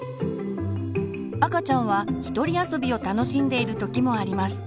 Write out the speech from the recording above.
赤ちゃんは一人遊びを楽しんでいる時もあります。